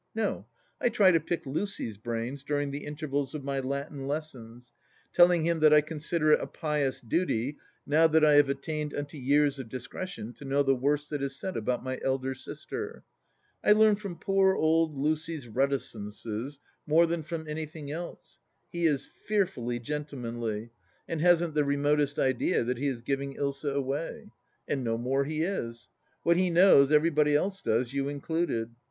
No ! I try to pick Lucy's brains during the intervals of my Latin lessons, telling him that I consider it a pious duty, now that I have attained unto years of discretion, to know the worst that is said about my elder sister. I learn from poor old Lucy's reticences more than from anything else ; he is fearfully gentlemanly, and hasn't the remotest idea that he is giving Ilsa away. And no more he is. What he knows everybody does, you included.